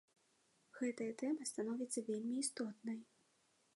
Гэтая тэма становіцца вельмі істотнай.